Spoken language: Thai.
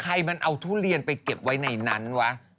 ใครมันเอาทุเรียนไปเก็บไว้ในนั้นวะ